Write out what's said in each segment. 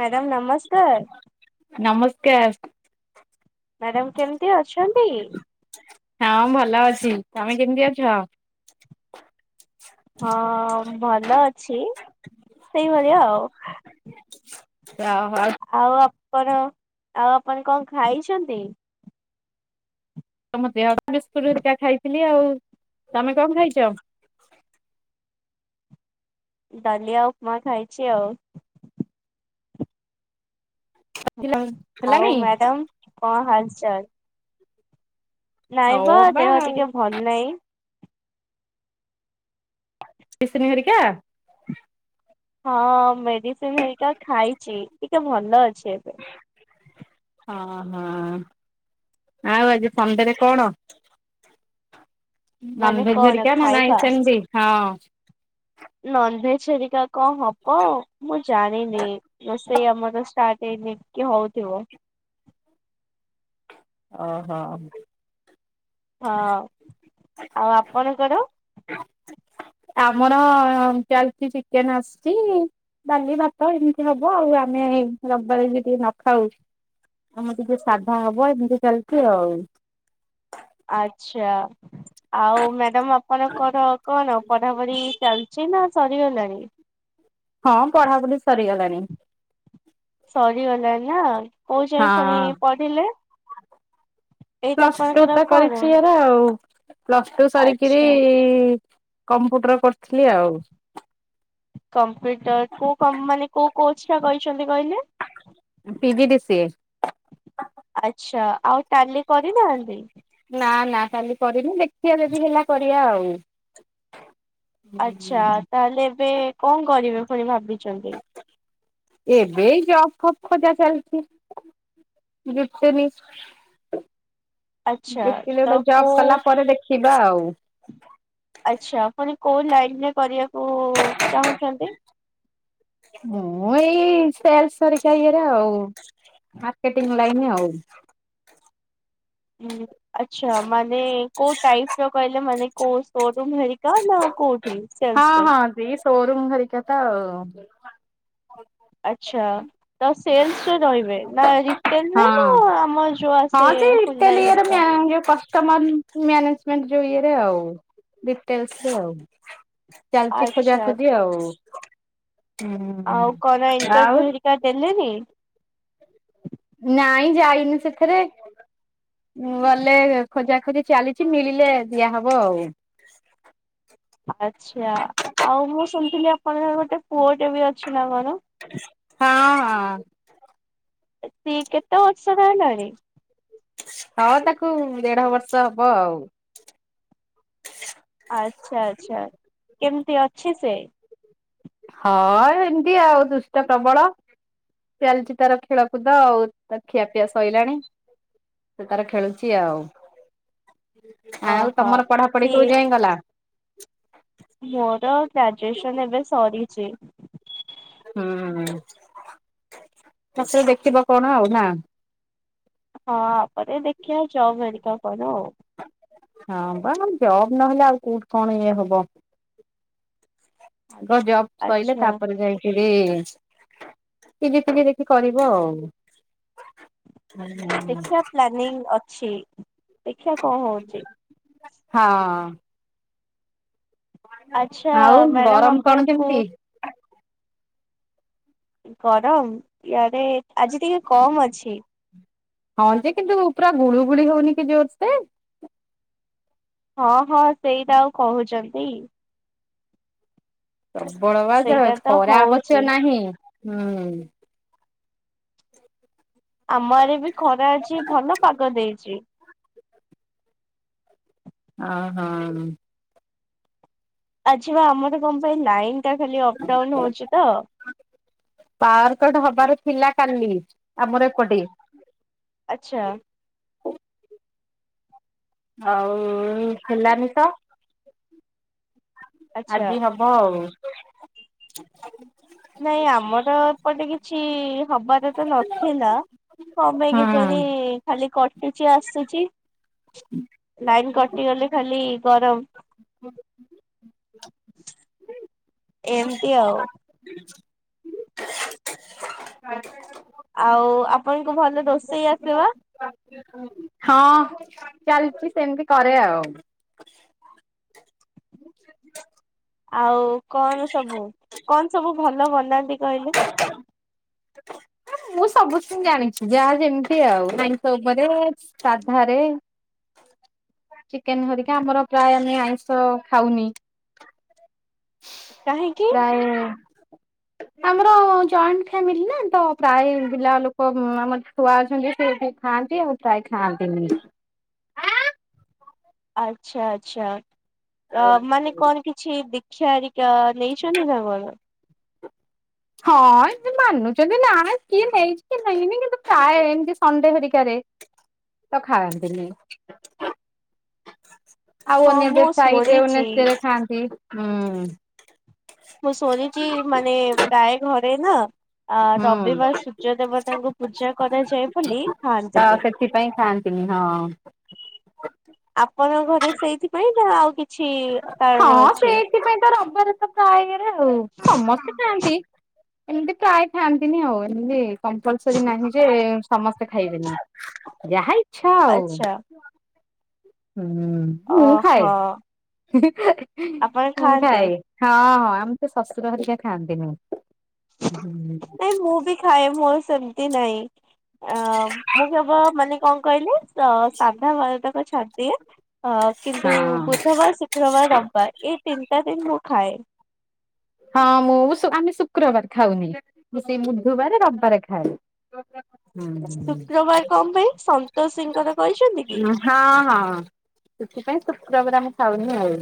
Madam ନମସ୍କାର। ନମସ୍କାର। Madam କେମତି ଅଛନ୍ତି? ହଁ ଭଲ ଅଛି ତମେ କେମିତି ଅଛ? ହଁ ଭଲ ଅଛି ସେଇଭଳିଆ ଆଉ। [unintelligible] ଆଉ ଆପଣ ଆଉ ଆପଣ କଣ ଖାଇଛନ୍ତି? ତମ ଦେହ ବିସ୍କୁଟହରିକା ଖାଇଥିଲି ଆଉ ତମେ କଣ ଖାଇଛ? ଡାଲିଆ ଉପମା ଖାଇଛି ଆଉ। ଥିଲା ଆଉ ହେଲାଣି ମ୍ୟାଡାମ କଣ ହାଲ୍ ଚାଲ୍? ନାଇଁ ହଉ ବା ଦେହ ଆଉ ଟିକେ ଭଲ ନାଇଁ। ଟିଫିନି ହେରିକା? ହଁ ମେଡିସିନ ହେରିକା ଖାଇଛି ଟିକେ ଭଲ ଅଛି ଏବେ। ହଁ ହଁ ଆଉ ଆଜି ସଣ୍ଡେରେ କଣ? ନନ୍ ମାନେ ଭେଜ୍ କଣ ହେରିକା ନା ନାଇଁ ଖାଇବା? ସେମତି ହଁ। ନନଭେଜ୍ ହେରିକା କଣ ହବ ମୁଁ ଜାଣିନି ରୋଷେଇ ଆମର ଷ୍ଟାର୍ଟ ହେଇନି କି ହଉଥିବ। ଓହୋ। ହଁ ଆଉ ଆପଣଙ୍କର? ଆମର ଚାଲିଛି ଚିକେନ ଆସିଛି ଡାଲି ଭାତ ଏମିତି ହବ ଆଉ ଆମେ ରବିବାରେ ବି ଟିକେ ନ ଖାଉ। ଆମର ଟିକେ ସାଧା ହବ ଏମିତି ଚାଲିଛି ଆଉ। ଆଚ୍ଛା ଆଉ ମ୍ୟାଡାମ ଆପଣଙ୍କର କଣ ପଢାପଢି ଚାଲ ଛି ନା ସରିଗଲାଣି? ହଁ ପଢାପଢ଼ି ସରିଗଲାଣି। ସରିଗଲାଣି ନା କୋଉଜାଏଁ ଫୁଣି ହଁ ପଢିଲେ? ଏଇଟା ପ୍ଲସ ଟୁ ଆପଣଙ୍କର ତ କଣ? କରିଚି ହେରା ଆଉ। ପ୍ଲସ ଟୁ ସରିକିରି ଆଚ୍ଛା କମ୍ପୁଟର କରିଥିଲି ଆଉ। କମ୍ପ୍ୟୁଟର କୋଉ କଂପ ମାନେ କୋଉ କୋର୍ସଟା କହିଛନ୍ତି କହିଲେ? ପିଜିିଡିସିଏ। ଆଛା ଆଉ ଟାଲି କରି ନାହାନ୍ତି? ନାଁ ନାଁ ଟାଲି କରିନି ଦେଖିଆ ଯଦି ହେଲା କରିବ ଆଉ। ଆଚ୍ଛା ତାହେଲେ ଏବେ କଣ କରିବେ ଫୁଣି ଭାବିଚନ୍ତି? ଏବେ ଏଇ ଜବ ଫପ୍ ଖୋଜା ଚାଲିଚି। [unintelligible] ଜୁଟେନି ଆଚ୍ଛା ଜୁଟିଲେ ତ ଜବ୍ କୋଉ କଲା ପରେ ଦେ ଖିବା ଆଉ। ଆଚ୍ଛା ଫୁଣି କୋଉ ଲାଇନରେ କରିବାକୁ ଚାହୁଁଚନ୍ତି? ମୁଁ ଏଇ ସେଲସ୍ ହେରିକା ଇଏରେ ଆଉ ମାର୍କେଟିଙ୍ଗ ଲାଇନ୍ ଆଉ। ହୁଁ। ଆଚ୍ଛା ମାନେ କୋଉ ଟାଇପର କହିଲେ ମାନେ କୋଉ ସୋରୁମ ହେରିକା ନା କୋଉଠି? ସେଲସରେ। ଏଇ ସୋରୁମ୍ ହେରିକା ତ ଆଉ। ଆଚ୍ଛ। ତ ସେଲସରେ ରହିବେ ନା ରିଟେଲରେ ନା ହଁ ଆମର ଯୋଉ ଆସେ ହୋଲାଇ ହେରିକା? ତମନ ମ୍ୟାନେଜମେଣ୍ଟ ଯୋଉ ଇଏରେ ଆଉ ରିଟେଲସରେ ଆଉ। ଚାଲିଚି ଖୋଜା ଆଚ୍ଛା ଖୋଜି ଆଚ୍ଛା ଆଉ ହୁଁ ଆଉ। ହେଟା ଡେଲନି। ନାଇଁ ଯାଇନି ସେଥେରେ। ମୁଁ ଗଲେ ଖୋଜାଖୋଜି ଚାଲିଚି ମିଳିଲେ ଦିଆ ହବ ଆଉ। ଆଚ୍ଛା ଆଉ ମୁଁ ଶୁଣିଥିଲି ଆପଣ ଜଣେ ଗୋଟେ ପୁଅଟେ ବି ଅଛି ନା କଣ? ହଁ ଅଁ। ସେ କେତେ ବର୍ଷର ହେଲାଣି? ହଁ ତାକୁ ଦେଢ ବର୍ଷ ହବ ଆଉ। ଆଚ୍ଛା ଆଚ୍ଛା କେମିତି ଅଛି ସେ? ହଁ ଏମିତି ଆଉ ଦୃଷ୍ଟ ପ୍ରବଳ। ଚାଲିଚି ତାର ଖେଳକୁଦ ଆଉ ତା ଖିଆପିଆ ସଇଲାଣି। ସେ ତାର ଖେଳୁଚି ଆଉ। ଆଉ ଓହୋ ତମର ପଢାପଢି ସିଏ କୋଉ ଯାଏଁ ଗଲା? ମୋର ଗ୍ରାଜୁଏସନ ଏବେ ସରିଚି। ହୁଁ ପଛରେ ଦେଖିବ କଣ ଆଉ ନା। ହଁ ଆପରେ ଦେଖିଆ ଜବ୍ ହେରିକା କରୁ ଆଉ। ହଁ ପା ଜବ୍ ନହେଲେ ଆଉ କୋଉଠି କଣ ଇଏ ହବ। ଆଗ ଜବ୍ ସ‌ଇଲେ ଆଚ୍ଛା ତାପରେ ଯାଇ ଏଥିରେ ଟିକେ ଟିକେ ଦେଖି କରିବ ଆଉ। ଆଜ୍ଞା। ଦେଖିଆ ପ୍ଲାନିଂ ଅଛି ଦେଖିଆ କଣ ହୋଉଚି। ହଁ। ଆଚ୍ଛା ଆଉ ମ୍ୟାଡାମ ଗରମ କଣ ଆପଣଙ୍କୁ କେମିତି? ଗରମ ୟାଡେ ଆଜି ଟିକେ କମ୍ ଅଛି। ହଁ ଯେ କିନ୍ତୁ ପୁରା ଗୁଳୁ ଗୁଳି ହୋଉନି କି ଜୋରସେ। ହଁ ହଁ ସେଇଟା ଆଉ କହୁଚନ୍ତି। ପ୍ରବଳ ଭାଉଜ ସେଇଟା ତ ଖରା ହଉଛି। ଆବଶ୍ୟକ ନାହିଁ ହୁଁ। ଆମ ଆରେ ବି ଖରା ଅଛି ଭଲ ପାଗ ଦେଇଚି। ଅ ହଁ। ଆଜି ବା ଆମର କଣ ପାଇଁ ଲାଇନ ଟା ଖାଲି ଅପଡାଉନ ହଉଚି ତ। ପାୱାରକଟ୍ ହବାର ଥିଲା କାଲି ଆମର ଏପଟେ। ଆଚ୍ଛା। ଆଉ ହେଲାନି ତ ଆଚ୍ଛା। ଆଜି ହ ହଉ। ନାଇଁ ଆମର ଏପଟେ କିଛି ହବାର ତ ନଥିଲା କଣ ପାଇଁ କେଜାଣି ଖାଲି କଟୁଛି ଆସୁଛି ଲାଇନ କଟିଗଲେ ଖାଲି ଗରମ। [inaudible] ଏମତି ଆଉ। [unintelligible] [unintelligible] ଆଉ ଆପଣଙ୍କୁ ଭଲ ରୋଷେଇ ଆସେ ବା। ହଁ ଆସେ ହୁଁ। ହଁ ଚାଲଚି ସେମତି କରେ ଆଉ। ଆଉ କଣ ସବୁ କଣ ସବୁ ଭଲ ବନାନ୍ତି କହିଲେ? ମୁଁ ସବୁ କିନ୍ତୁ ଜାଣିଛି ଯାହା ଯେମତି ଆଉ ତା ଆଇଁଷ ଉପରେ ସାଧାରେ। ଚିକେନ ହରିକା ଆମର ପ୍ରାୟେ ଆମେ ଆଇଁଷ ଖାଉନି। କାହିଁକି ପ୍ରାୟେ ଆମର ଜଏଣ୍ଟ ଫ୍ୟାମିଲି ନା ତ ପ୍ରାୟେ ବିଲା ଲୋକ ଉଁ ଆମର ଛୁଆ ଅଛନ୍ତି ଯେ ସେ ଏଠି ଖାଆନ୍ତି ଆଉ ପ୍ରାୟେ ଖାଆନ୍ତିନି। ଆଚ୍ଛା ଆଚ୍ଛା ଅ ମାନେ କଣ କିଛି ଦି କ୍ଷା ଅରିକା ନେଇଛନ୍ତି ନା କଣ? ହଁ ଏ ଯିଏ ମାନୁଚନ୍ତି ନାଇଁ କିଏ ନେଇଛି କିଏ ନେଇନି କିନ୍ତୁ ପ୍ରାୟେ ଏମତି ସଣ୍ଡେ ହରିକାରେ ତ ଖାଆନ୍ତିିନି। ଆଉ ହଁ ଅନ୍ୟ ଡେ ମୁଁ ଫ୍ରାଇ ଡେ ମାନେ ଶୁଣିଛି ସେ ଖାଆନ୍ତି। ମୁଁ ଶୁଣିଚି ମାନେ ପ୍ରାୟେ ଘରେ ନା ଆ ହୁଁ ରବିବାର ସୂର୍ଯ୍ୟ ଦେବତାଙ୍କୁ ପୂଜା କରାଯାଏ ବୋଲି ଖଆନ୍ତି। ହଁ ସେଥିପାଇଁ ଖାଆ ନ୍ତିନି ହଁ। ଆପଣଙ୍କ ଘରେ ସେଇଥିପାଇଁ ନା ଆଉ କିଛି ହଁ କାରଣ ଅଛି? ସେଇଥିପାଇଁ ତ ରବିବାର ତ ପ୍ରାୟେ ଇଏରେ ଆଉ ସମସ୍ତେ ଖାଆନ୍ତି। ଏମତି ପ୍ରାୟେ ଖାଆନ୍ତିନି ଆଉ ଏମତି କମ୍ପଲସରି ନାହିଁଯେ ସମସ୍ତେ ଖାଇବେନି ଯାହା ଇଚ୍ଛା ଆଉ। ଆଚ୍ଛା ହୁଁ ମୁଁ ଖାଏ ଓହୋ। ଆପଣ ମୁଁ ଖାଆନ୍ତି ଖାଏ। ହଁ ହଁ ଆମେ ତ ଶଶୁର ହରିକା ଖାଆନ୍ତିନି। ହଁ ନାଇଁ ମୁଁ ବି ଖାଏ ମୋର ସେମତି ନାଇଁ। ଅ ମୁଁ କେବଳ ମାନେ କଣ କହିଲେ ତ ସାଧା ବାରତକ ଛାଡିଦିଏ ହ କିନ୍ତୁ ବୁଧବାର ଶୁ କ୍ରବାର ରବିବାର ଏଇ ତିନିଟା ଦିନ୍ ମୁଁ ଖାଏ। ହଁ ମୁଁ ଶୁ ଆମେ ଶୁକ୍ରବାର ଖାଉନି ମୁଁ ସେଇ ବୁଧବାରେ ରବିବାରେ ଖାଏ। ଶୁକ୍ରବାର କଣ ପାଇଁ ସନ୍ତୋଷିଙ୍କର କରିଛନ୍ତି କି? ହଁ ହଁ ସେଥିପାଇଁ ଶୁକ୍ରବାର ଆମେ ଖାଉନୁ ଆଉ।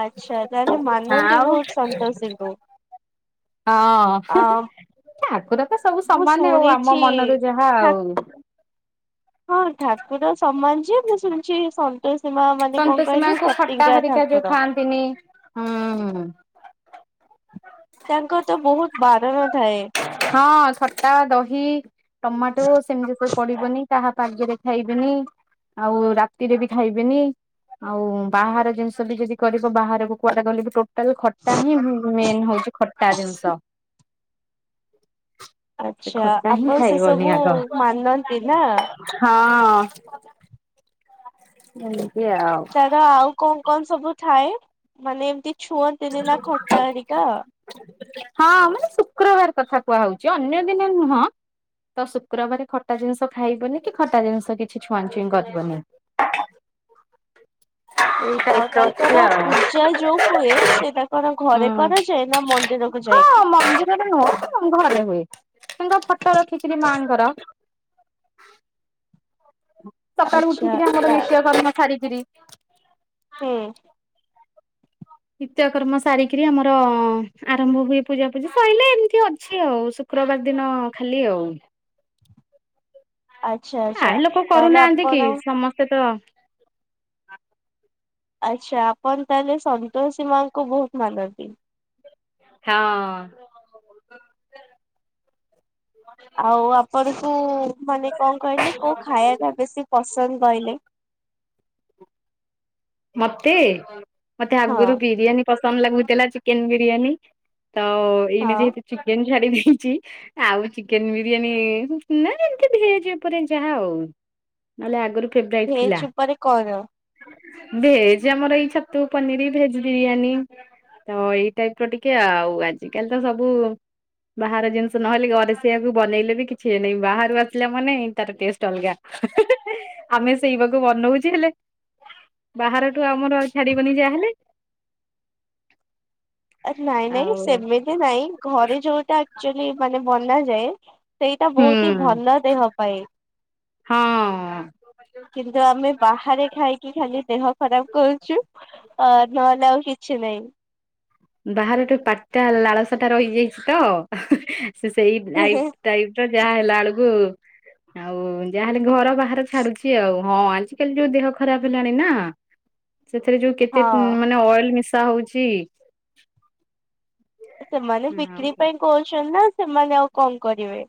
ଆଚ୍ଛା ତାହେଲେ ମାନନ୍ତି ଆଉ ବହୁତ ସନ୍ତୋଷିଙ୍କୁୁ। ହଁ ଠାକୁରତ ସବୁ ମୁଁ ସମାନେ ଆଉ ଆମ ଶୁଣିଛି ମନରୁ ଯାହା ଠା ହାଉ ହଁ ଠାକୁର ସମାନଯେ ମୁଁ ଶୁଣିଛି ସ ସନ୍ତୋଷିମା ମାନେ କଣ କହିଲେ ପ୍ରତିଜ୍ଞା ଠାକୁର। ଥିନି ହୁଁ ତାଙ୍କର ତ ବହୁତ୍ ବାରଣ ଥାଏ। ହଁ ଖଟା ଦହି ଟମାଟୋ ସେମିତି ସବୁ ପଡିବନି। କାହା ପାଜେରେ ଖାଇବେନି ଆଉ ରାତିରେବି ଖାଇବେନି। ଆଉ ବାହାର ଜିନିଷ ବି ଯଦି କରିବ ବାହାରକୁ କୁଆଡେ ଗଲେବି ଟୋ ଟାଲ୍ ଖଟା ହିଁ ଉଁ ମେନ ହଉଛି ଖଟା ଜିନିଷ। ସେ ଆଚ୍ଛା ଖଟା ହିଁ ଆପଣ ସେ ଖାଇବନି ସବୁ ଆଗ ମାନନ୍ତି ନା? ହଁ। ଏମିତି ଆଉ। ତାର ଆଉ କଣ କଣ ସବୁ ଥାଏ ମାନେ ଏମିତି ଛୁଅଁନ୍ତିନିନା ଖଟା ହେରିକା? ହଁ ମାନେ ଶୁକ୍ରବାର କଥା କୁହା ହଉଛି ଅନ୍ୟଦିନେ ନୁହଁ। ତ ଶୁକ୍ରବାରେ ଖଟା ଜିନିଷ ଖାଇବନିକି ଖଟା ଜିନିଷ କିଛି ଛୁଆଁ ଛୁଇଁ କରିବନି। ଏଇ ଆଉ ଟାଇପର ଅଛି ତାଙ୍କର ପୂଜ ଆଉ ଯା ଯୋଉ ହୁଏ ସେ ତାଙ୍କର ଘରେ ହୁଁ କରାଯାଏ ନା ମନ୍ଦିରକୁ ଯାଇକି? ହଁ ମନ୍ଦିରରେ ନୁହେଁ ଘରେ ହୁଏ ତାଙ୍କ ଫଟୋ ରଖିକିରି ମାଆଙ୍କର ସକାଳୁ ଆଚ୍ଛା ଉଠିକିରି ଆମର ତା ନିତ୍ୟକର୍ମ ସାରିକିରି ହୁଁ। ନିତ୍ୟ କର୍ମ ସାରିକିରି ଆମର ଆରମ୍ଭ ହୁଏ ପୂଜା ପୂଜି ସଇଲେ ଏମିତି ଅଛି ଆଉ ଶୁ କ୍ରବାର ଦିନ ଖାଲିଆଉ। ଆଚ୍ଛା ଆଚ୍ଛା ସାହି ଲୋକ କରୁ ତାହେଲେ ନାହାଁନ୍ତି ଆପଣ କି ସମସ୍ତେତ ଆଚ୍ଛା ଆପଣ ତାହେଲେ ସନ୍ତୋଷୀ ମାଙ୍କୁ ବହୁତ ମାନନ୍ତି? ହଁ। ଆଉ ଆପଣଙ୍କୁ ମାନେ କଣ କହିଲେ କୋଉ ଖାଇବାଟା ବେଶୀ ପସନ୍ଦ କହିଲେ? ମତେ ମତେ ହଁ ଆଗୁରୁ ବିରିୟାନି ପସନ୍ଦ ଲାଗୁଥିଲା ଚିକେନ୍ ବିରିୟାନୀ ତ ଏଇନା ହଁ ଯେହେତୁ ଚିକେନ ଛାଡି ଦେଇଚି ଆଉ ଚିକେନ ବିରିୟାନୀ ନା ଏମିତି ଭେଜ ଉପରେ ଯାହା ଆଉ। ନହେଲେ ଆଗରୁ ଫେବ୍ରାଇଟ୍ ଥିଲା। ମାନେ କର। ଭେଜ ଆମର ଏଇ ଛତୁ ପନିରି ଭେଜ ବିରିୟାନୀ। ତ ଏଇ ଟାଇପ୍ ର ଟିକେ ଆଉ ଆଜିକାଲି ତ ସବୁ ବାହାର ଜିନିଷ ନହେଲେ ଘରେ ସେଆକୁ ବନେଇଲେ ବି କିଛି ଏଇନାହିଁ ବାହାରୁ ଆସିଲା ମାନେ ତାର ଟେଷ୍ଟ ଅଲଗା। ଆମେ ସେଇବାକୁ ବନଉଛେ ହେଲେ ବାହାରଠୁ ଆମର ଆଉ ଛାଡିବନି ଯାହାହେଲେ। ଆରେ ନାଇଁ ନାଇଁ ଆଉ ସେମିତି ନାଇଁ ଘରେ ଯୋଉଟା ଆକକ୍ଚୋଲି ମାନେ ବନାଯାଏ ସେଇଟା ହୁଁ ବହୁତ ହି ଭଲ ଦେହ ପାଇଁ। ହଁ। କିନ୍ତୁ ଆମେ ବାହାରେ ଖାଇକି ଖାଲି ଦେହ ଖରାପ୍ କରୁଛୁ। ଅ ନହେଲେ ଆଉ କିଛି ନାଇଁ। ବାହାରେ ଗୋଟେ ପାଟଟା ଲାଳସାଟା ରହିଯାଇଛି ତ ସେ ସେଇ ଲାଇଫ ଟାଇପର ଯାହା ହେଲା ଏଳକୁ ଆଉ ଯାହାହେଲେ ଘର ବାହାର ଛାଡୁଛି ଆଉ। ହଁ ଆଜିକାଲି ଯୋଉ ଦେହ ଖରାପ ହେଲାଣି ନା। ସେଥିରେ ଯୋଉ କେତେ ହଁ ମାନେ ଅଏଲ ମିଶା ହଉଚି ସେମାନେ ବିକ୍ରି ପାଇଁ କହୁଛନ୍ତି ନା ସେମାନେ ଆଉ କଣ କରିବେ।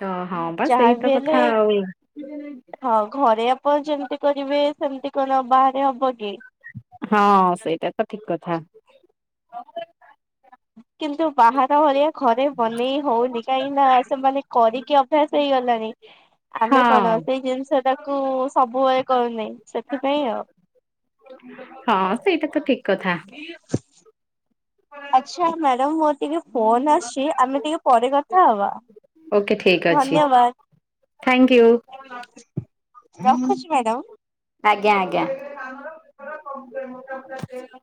ତ ହଁ ବା ସେଇ ଯାହାବି ତ ହେଲେ କଥା ଆଉ ହଁ ଘରେ ଆପ ଆପଣ ଯେମିତି କରିବେ ସେମିତି କଣ ବାହାରେ ହବ କି? ହଁ ସେଇଟା ତ ଠିକ କଥା। କିନ୍ତୁ ବାହାର ଭଳିଆ ଘରେ ବନେଇ ହଉନି କାହିଁକି ନା ସେମାନେ କରିକି ଅଭ୍ୟାସ ହେଇଗଲାଣି। ଆମେ କଣ ହଁ ସେଇ ଜିନିଷ ଟାକୁ ସବୁବେଳେ କରୁନାଇଁ ସେଥିପାଇଁ ଆଉ। ହଁ ସେଇଟା ତ ଠିକ କଥା। ହଁ [inaudible] ଆଛା ମ୍ୟାଡାମ ମୋର ଟିକେ ଫୋନ ଆସିଚି ଆମେ ଟିକେ ପରେ କଥା ହବା। ଓକେ ଠିକ୍ ଅଛି ଧନ୍ୟବାଦ। Thank you. ରଖୁଛି ମ୍ୟାଡ଼ାମ। ଆଜ୍ଞା ଆଜ୍ଞା। ହୁଁ। କମ୍ ମୋଟାୋା [unintelligible]